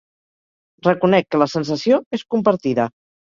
Reconec que la sensació és compartida.